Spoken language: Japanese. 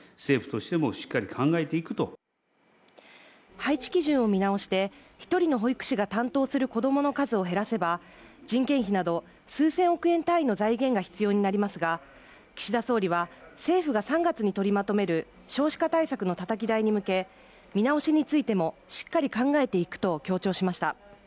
配置基準を見直して、１人の保育士が担当する子供の数を減らせば、人件費など数千億円単位の財源が必要になりますが、岸田総理は政府が３月に取りまとめる少子化対策のたたき台に向け、見直しについてもしっかり考えていくと強調しました。